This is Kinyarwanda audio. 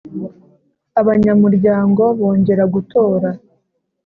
Abanyamuryango bongera gutora.